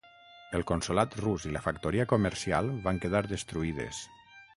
El consolat rus i la factoria comercial van quedar destruïdes.